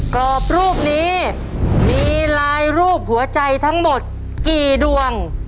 กรอบรูปนี้มีลายรูปหัวใจทั้งหมดกี่ดวง